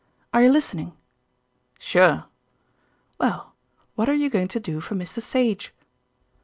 "Are you listening?" "Sure!" "Well, what are you going to do for Mr. Sage?"